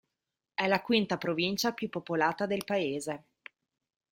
È la quinta provincia più popolata del paese.